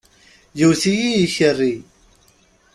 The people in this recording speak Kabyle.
Yewwet-iyi yikerri.